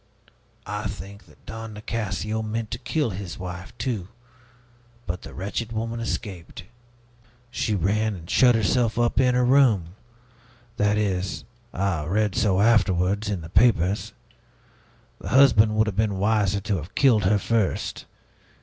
I think that Don Nicasio meant to kill his wife, too; but the wretched woman escaped. She ran and shut herself up in her room. That is I read so afterwards, in the papers. The husband would have been wiser to have killed her first.